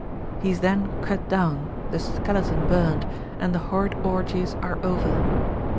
He is then cut down, the skeleton burnt, and the horrid orgies are over.